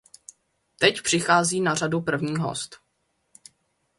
Teď přichází na řadu první host.